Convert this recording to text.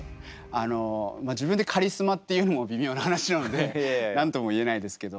あの自分でカリスマって言うのも微妙な話なので何とも言えないですけど。